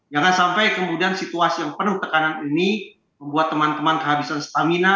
jangan sampai kemudian situasi yang penuh tekanan ini membuat teman teman kehabisan stamina